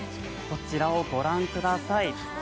こちらを御覧ください。